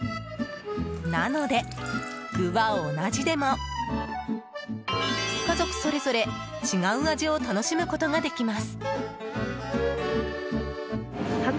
なので、具は同じでも家族それぞれ違う味を楽しむことができます。